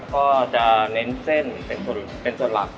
ก็จะเน้นเส้นเป็นสลัก